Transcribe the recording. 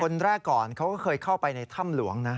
แรกก่อนเขาก็เคยเข้าไปในถ้ำหลวงนะ